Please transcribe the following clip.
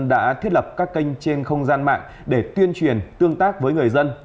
đã thiết lập các kênh trên không gian mạng để tuyên truyền tương tác với người dân